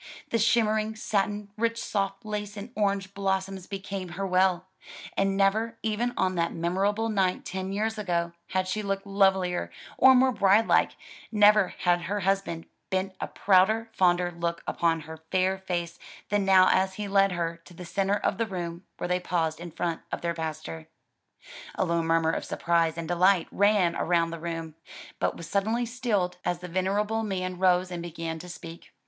The shimmering satin, rich, soft lace and orange blossoms became her well; and never, even on that memorable night ten years ago, had she looked lovelier or more bride like; never had her husband bent a prouder, fonder look upon her fair face than now as he led her to the centre of the room, where they paused in front of their pastor. A low murmur of surprise and delight ran round the room, but was suddenly stilled, as the venerable man rose and began to speak.